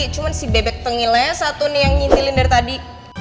cuma si bebek tengilnya satu nih yang nyintilin dari tadi